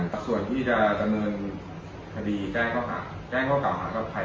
อันดับส่วนที่จะจำนวนความพอใจ